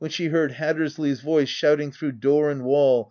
she heard Hattersley's voice shouting through door and wall.